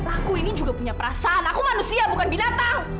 aku ini juga punya perasaan aku manusia bukan binatang